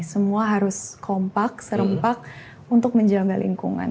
semua harus kompak serempak untuk menjaga lingkungan